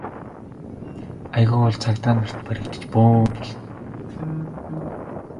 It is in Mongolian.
Аягүй бол цагдаа нарт баригдаж бөөн юм болно.